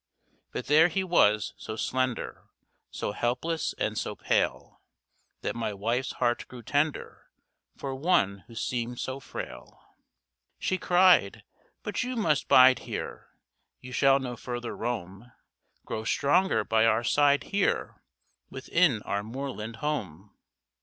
But there he was, so slender, So helpless and so pale, That my wife's heart grew tender For one who seemed so frail. She cried, "But you must bide here! You shall no further roam. Grow stronger by our side here, Within our moorland home!"